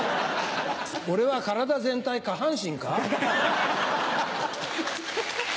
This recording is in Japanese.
俺は体全体下半身か？